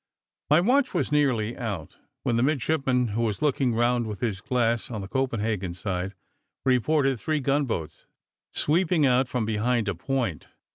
My watch was nearly out, when the midshipman who was looking round with his glass on the Copenhagen side, reported three gun boats, sweeping out from behind a point.